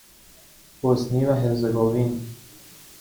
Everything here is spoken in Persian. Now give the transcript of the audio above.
بوسنی و هرزگوین